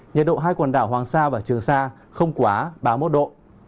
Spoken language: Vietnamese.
nhiệt độ hai quần đảo hoàng sa và trường sa không quá ba mươi một độ